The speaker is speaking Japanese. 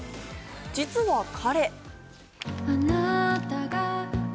実は彼。